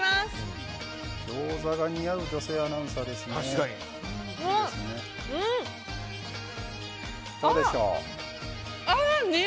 ギョーザが似合う女性アナウンサーですね。